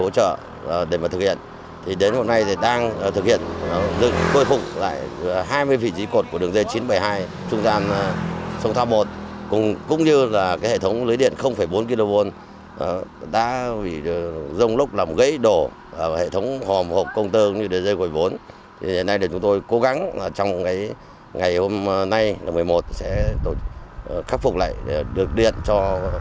trong ngày hôm nay lúc một mươi một sẽ khắc phục lại được điện cho một mươi một trạm biến áp hiện đang bị sự cố